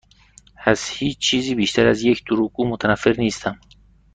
از هیچ چیزی بیشتر از یک دروغگو متنفر نیستم.